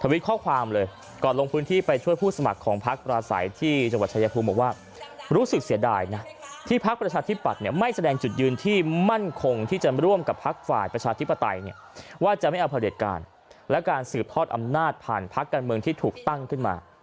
ว่าจะไม่เอาผลิตการและการสืบทอดอำนาจผ่านพักการเมืองที่ถูกตั้งขึ้นมา